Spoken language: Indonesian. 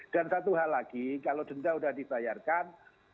dan satu hal lagi kalau denda sudah dibayarkan